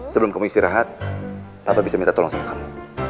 sebelum kamu istirahat bapak bisa minta tolong sama kamu